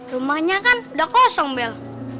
rumahnya kan udah kosong bel